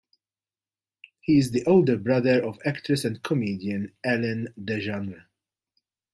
He is the older brother of actress and comedian Ellen DeGeneres.